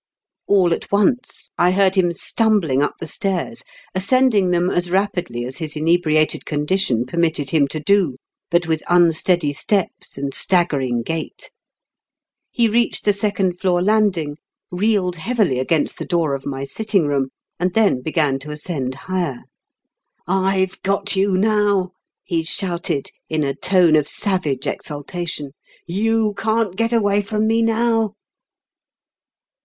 All at once I heard him stumbling up the stairs, ascending them as rapidly as his inebriated condition permitted him to do, but with unsteady steps and staggering gait. He reached the second floor landing, reeled heavily against the door of my sitting room, and then began to ascend higher. " Tve got you now !'' he shouted, in a tone A GHOSTLY VISITANT. 175 of savage exultation. "You can't get away from me now."